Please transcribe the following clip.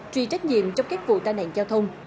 truy trách nhiệm trong các vụ tai nạn giao thông